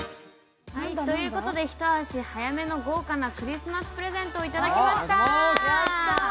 ということで一足早めの豪華なクリスマスプレゼントをいただきました。